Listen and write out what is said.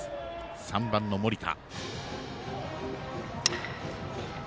３番の森田。